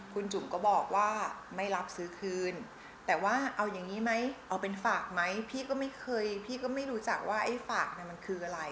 คุณจุ๋มก็บอกว่าไม่รับซื้อคืนแต่ว่าเอาอย่างนี้ไหมเอาเป็นฝากไหมพี่ก็ไม่เคยพี่ก็ไม่รู้จักว่าไอ้ฝากเนี่ยมันคืออะไร